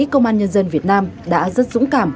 công an nhân dân việt nam đã rất dũng cảm